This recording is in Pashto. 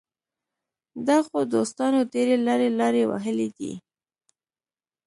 دغو دوستانو ډېرې لرې لارې وهلې دي.